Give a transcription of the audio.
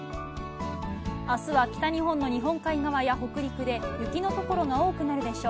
あすは北日本の日本海側や北陸で、雪の所が多くなるでしょう。